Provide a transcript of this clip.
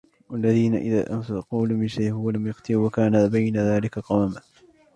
وَالَّذِينَ إِذَا أَنْفَقُوا لَمْ يُسْرِفُوا وَلَمْ يَقْتُرُوا وَكَانَ بَيْنَ ذَلِكَ قَوَامًا